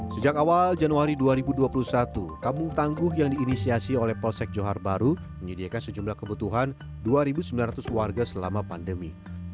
sejak awal januari dua ribu dua puluh satu kampung tangguh yang diinisiasi oleh polsek johar baru menyediakan sejumlah kebutuhan dua sembilan ratus warga selama pandemi